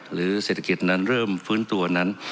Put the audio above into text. หรือเศรษฐกิจนั้นเริ่มฟื้นตัวนั้น